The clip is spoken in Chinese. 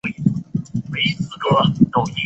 与零售最大的不同在于商品。